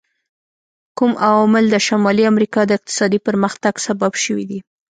کوم عوامل د شمالي امریکا د اقتصادي پرمختګ سبب شوي دي؟